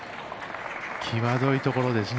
際どいところですね。